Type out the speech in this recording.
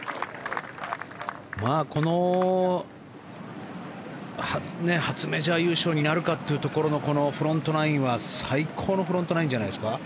この初メジャー優勝になるかというところのこのフロントナインは最高のフロントナインじゃないですか。